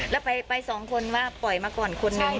แล้วไปสองคนว่าปล่อยมาก่อนคนนึง